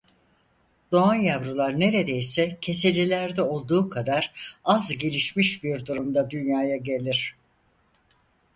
Doğan yavrular neredeyse keselilerde olduğu kadar az gelişmiş bir durumda dünyaya gelir.